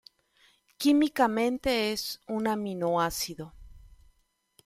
Químicamente es un aminoácido.